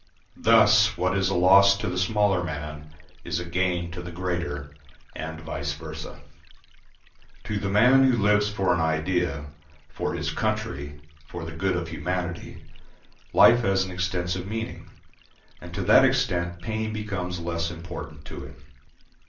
Thus what is a loss to the smaller man is a gain to the greater, and vice versa. To the man who lives for an idea, for his country, for the good of humanity, life has an extensive meaning, and to that extent pain becomes less important to him.